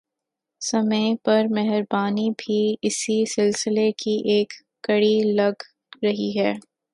سمیع پر مہربانی بھی اسی سلسلے کی ایک کڑی لگ رہی ہے